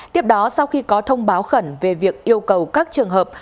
tiếp đó sau khi có thông báo khẩn về việc yêu cầu các trường hợp